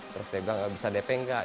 terus dia bilang bisa dp enggak